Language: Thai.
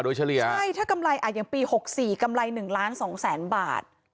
โดยเฉลี่ยใช่ถ้ากำไรอ่ะอย่างปี๖๔กำไร๑ล้านสองแสนบาท